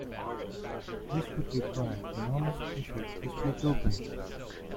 This would require enormous pressure to split open.